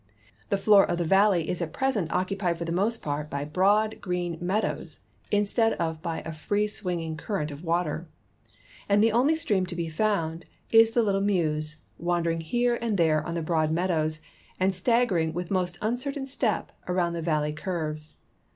The floor of the valley is at present occupied for the most part by broad, green meadows, instead of by a free swinging current of water, and the only stream to be found is the little Meuse, wandering here and there on the broad meadows and staggering with most uncertain step around the valley curves.